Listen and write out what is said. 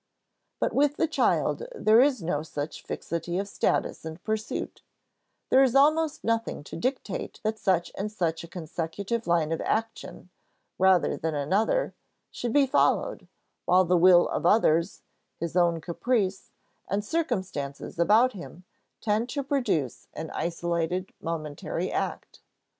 But with the child there is no such fixity of status and pursuit; there is almost nothing to dictate that such and such a consecutive line of action, rather than another, should be followed, while the will of others, his own caprice, and circumstances about him tend to produce an isolated momentary act.